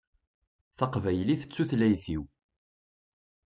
Taqbaylit d tutlayt-iw